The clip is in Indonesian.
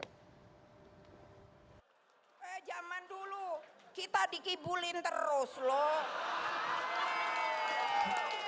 eh zaman dulu kita dikibulin terus loh